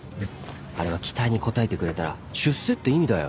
あれは期待に応えてくれたら出世って意味だよ。